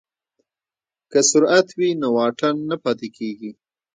که سرعت وي نو واټن نه پاتې کیږي.